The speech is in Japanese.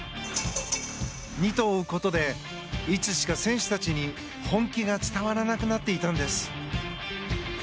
二兎追うことでいつしか選手たちに本気が伝わらなくなっていたんです。